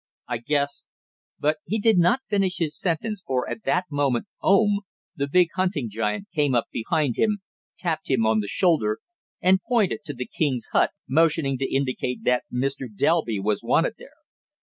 I guess " But he did not finish his sentence for at that moment Oom, the big hunting giant, came up behind him, tapped him on the shoulder, and pointed to the king's hut, motioning to indicate that Mr. Delby was wanted there.